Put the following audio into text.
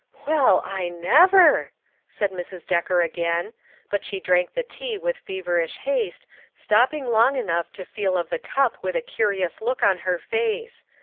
"Well, I never!" said Mrs. Decker again, but she drank the tea with feverish haste, stop ping long enough to feel of the cup with a curi ous look on her face.